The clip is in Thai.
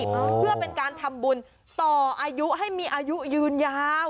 เพื่อเป็นการทำบุญต่ออายุให้มีอายุยืนยาว